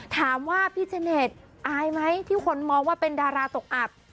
ถามว่าพี่เสน็ตอายไหมที่คนมองว่าเป็นดาราตกอับ